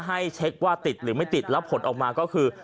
ให้เช็คว่าติดหรือไม่ติดแล้วผลออกมาก็คือ